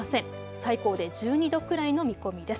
最高で１２度くらいの見込みです。